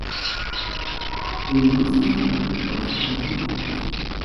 ¿Imashnata kawsanki?